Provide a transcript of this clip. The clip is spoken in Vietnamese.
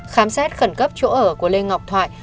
khám xét khẩn cấp chỗ ở của lê ngọc thoại